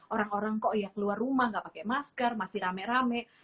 orang orang kok ya keluar rumah nggak pakai masker masih rame rame